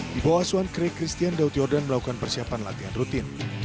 di bawah suan krek christian daud jordan melakukan persiapan latihan rutin